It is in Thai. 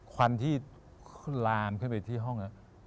ควันที่ลามขึ้นไปที่ห้อง